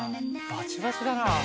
バチバチだな。